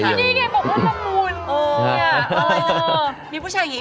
นี่นี่แกบอกว่าละมุน